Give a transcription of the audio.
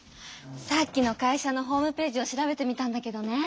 さっきの会社のホームページを調べてみたんだけどね。